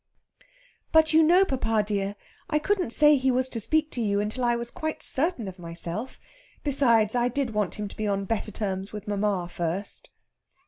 "But you know, papa dear, I couldn't say he was to speak to you until I was quite certain of myself. Besides, I did want him to be on better terms with mamma first."